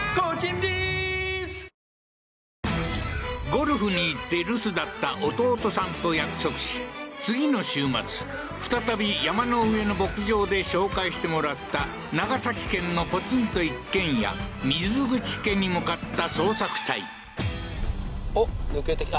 ゴルフに行って留守だった弟さんと約束し次の週末再び山の上の牧場で紹介してもらった長崎県のポツンと一軒家水口家に向かった捜索隊